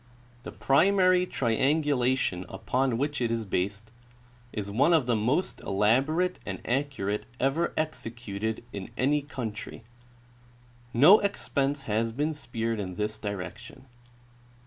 The primary triangulation upon which it is based is one of the most elaborate and accurate ever executed in any country. No expense has been spared in this direction.